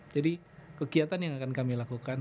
jadi kegiatan yang akan kami lakukan